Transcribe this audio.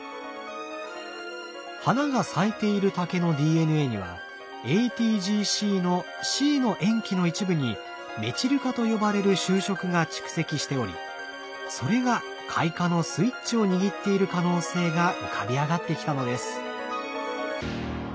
花が咲いている竹のＤＮＡにはＡＴＧＣのＣの塩基の一部にメチル化と呼ばれる修飾が蓄積しておりそれが開花のスイッチを握っている可能性が浮かび上がってきたのです。